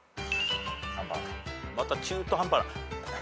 また中途半端な。